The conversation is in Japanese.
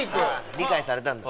理解されたんだ。